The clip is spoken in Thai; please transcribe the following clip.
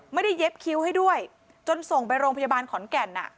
เย็บคิ้วให้ด้วยจนส่งไปโรงพยาบาลขอนแก่น